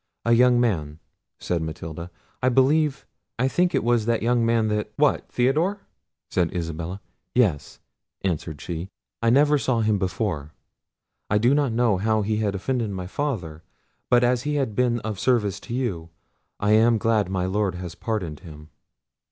"A young man," said Matilda; "I believe—I think it was that young man that—" "What, Theodore?" said Isabella. "Yes," answered she; "I never saw him before; I do not know how he had offended my father, but as he has been of service to you, I am glad my Lord has pardoned him."